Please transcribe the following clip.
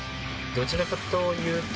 どちらかというと。